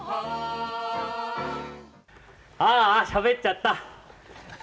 あーあしゃべっちゃった。